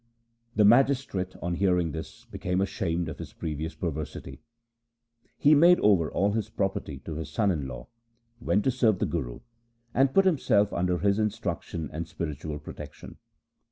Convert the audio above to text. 2 The magistrate, on hearing this, became ashamed of his previous perversity. He made over all his property to his son in law, went to serve the Guru, and put himself under his instruction and spiritual protection.